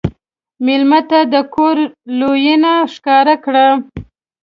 مېلمه ته د کور لورینه ښکاره کړه.